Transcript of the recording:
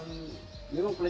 nah ini sudah berhasil